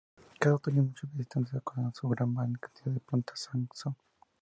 Cada otoño, muchos visitantes acuden a ver su gran cantidad de plantas "sango-so".